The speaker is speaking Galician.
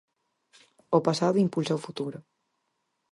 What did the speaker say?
O pasado impulsa o futuro.